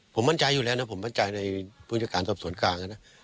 ผมมั่นใจอยู่แล้วนะผมมั่นใจในภูมิการทรัพย์สวนกลางนะ